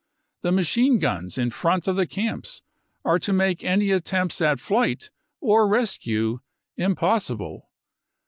The machine guns in front of the camps are to make any attempts at flight or rescue impossible.